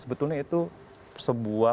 sebetulnya itu sebuah